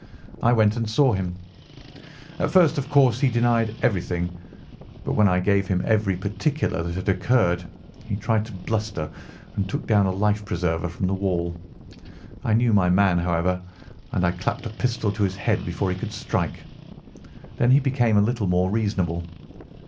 I went and saw him. At first, of course, he denied everything. But when I gave him every particular that had occurred, he tried to bluster and took down a life preserver from the wall. I knew my man, however, and I clapped a pistol to his head before he could strike. Then he became a little more reasonable.